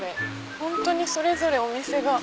本当にそれぞれお店が。